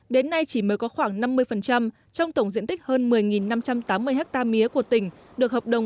đến nay chỉ mới có khoảng năm mươi trong tổng diện tích hơn một mươi năm trăm tám mươi ha mía của tỉnh được hợp đồng